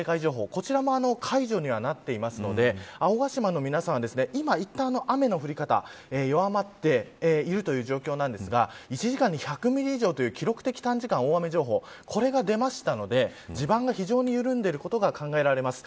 こちらも解除にはなっているので青ヶ島の皆さんは今言った雨の降り方弱まっているという状況なんですが１時間に１００ミリ以上という記録的短時間大雨情報これが出たので、地盤が非常に緩んでいることが考えられます。